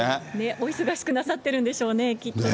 お忙しくなさってるんでしょうね、きっとね。